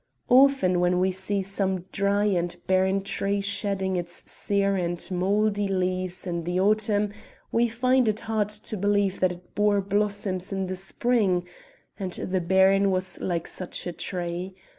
Often when we see some dry and barren tree shedding its sere and mouldy leaves in the autumn we find it hard to believe that it bore blossoms in the spring; and the baron was like such a tree.